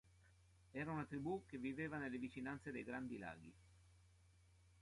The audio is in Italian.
Era una tribù che viveva nelle vicinanze dei "Grandi Laghi".